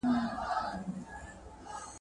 که په تعلیم کې پرمختګ وي، نو ټولنه به غني کیږي.